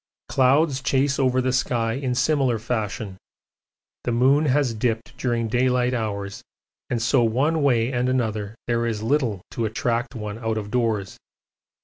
Clouds chase over the sky in similar fashion: the moon has dipped during daylight hours, and so one way and another there is little to attract one out of doors.